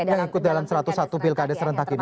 yang ikut dalam satu ratus satu pilkada serentak ini